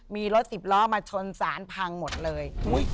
มีรถสิบล้อมาชนสารพังหมดเลย